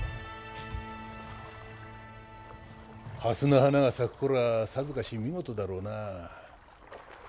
蓮の花が咲くころはさぞかし見事だろうなあ。